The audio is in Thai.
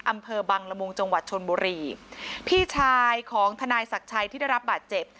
อำเภอบังละมุงจังหวัดชนบุรีพี่ชายของทนายศักดิ์ชัยที่ได้รับบาดเจ็บ